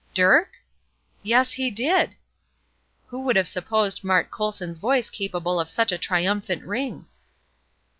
"Dirk?" "Yes, he did!" Who would have supposed Mart Colson's voice capable of such a triumphant ring?